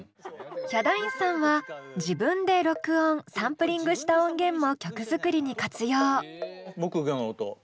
ヒャダインさんは自分で録音・サンプリングした音源も曲作りに活用。